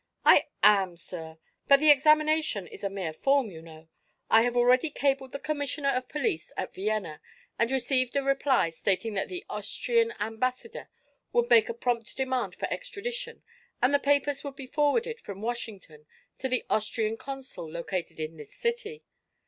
"I am, sir. But the examination is a mere form, you know. I have already cabled the commissioner of police at Vienna and received a reply stating that the Austrian ambassador would make a prompt demand for extradition and the papers would be forwarded from Washington to the Austrian consul located in this city.